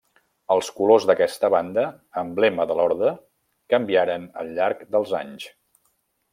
Els colors d’aquesta banda, emblema de l'orde, canviaren al llarg dels anys.